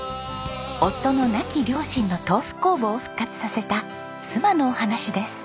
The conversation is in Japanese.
夫の亡き両親の豆腐工房を復活させた妻のお話です。